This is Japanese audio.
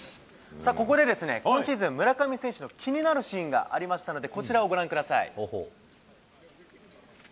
ここで今シーズン、村上選手の気になるシーンがありましたので、こちらをご覧ください。